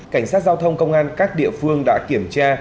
cảnh sát giao thông công an các địa phương đã kiểm tra